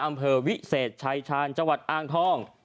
อำเภอวิเศษชายชาญจังหวัดอ้างทอง